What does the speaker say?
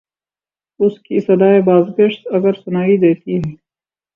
اس کی صدائے بازگشت اگر سنائی دیتی ہے۔